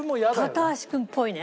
高橋君っぽいね。